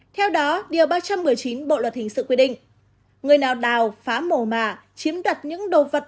theo đó điều ba trăm một mươi chín bộ luật hình sự quy định người nào đào phá mổ mà chiếm đặt những đồ vật